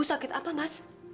ibu sakit apa mas